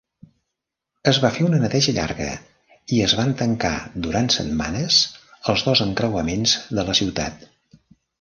Es va fer una neteja llarga i es van tancar durant setmanes els dos encreuaments de la ciutat.